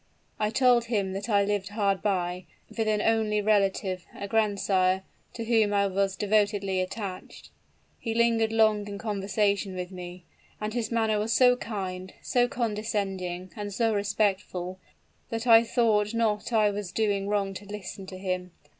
I told him that I lived hard by, with an only relative a grandsire, to whom I was devotedly attached. He lingered long in conversation with me; and his manner was so kind, so condescending, and so respectful, that I thought not I was doing wrong to listen to him.